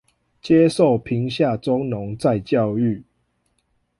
接受貧下中農再教育